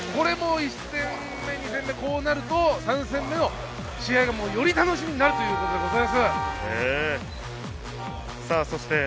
修正のし合いですから、１戦目、２戦目、こうなると３戦目、試合がより楽しみになるということでございます。